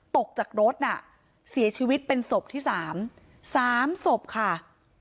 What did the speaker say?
ตกจากรถเสียชีวิตเป็นศพที่๓๓ศพค่ะ